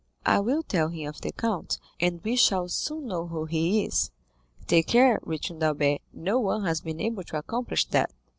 I will tell him of the count, and we shall soon know who he is." "Take care," returned Albert; "no one has been able to accomplish that."